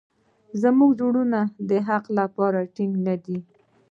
زموږ زړونه د حق لپاره ټینګ نه دي.